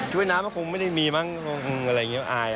ว่ายน้ำก็คงไม่ได้มีมั้งอะไรอย่างนี้อาย